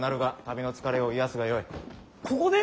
ここで？